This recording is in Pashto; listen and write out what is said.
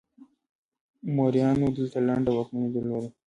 موریانو دلته لنډه واکمني درلوده